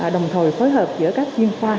đồng thời phối hợp giữa các chuyên khoa